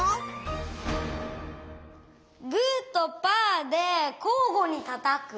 グーとパーでこうごにたたく。